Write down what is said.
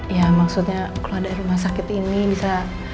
ya maksudnya keluar dari rumah sakit ini bisa